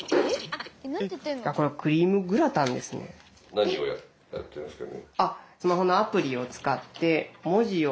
何をやってるんですか？